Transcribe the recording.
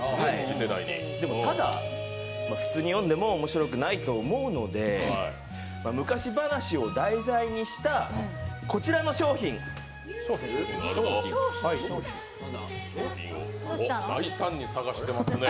でもただ普通に読んでも面白くないと思うので昔話を題材にした商品？商品を大胆に探していますね。